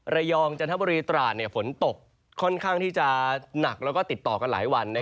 จันทบุรีตราดฝนตกค่อนข้างที่จะหนักแล้วก็ติดต่อกันหลายวัน